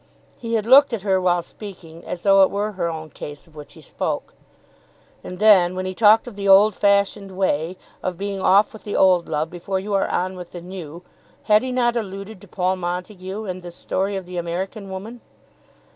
He had looked at her while speaking as though it were her own case of which he spoke. And then, when he talked of the old fashioned way, of being off with the old love before you are on with the new, had he not alluded to Paul Montague and this story of the American woman?